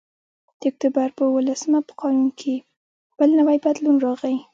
د اکتوبر په اوولسمه په قانون کې بل نوی بدلون راغی